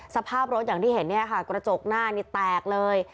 สภาพรถอย่างที่เห็นเนี่ยค่ะกระจกหน้านี่แตกเลย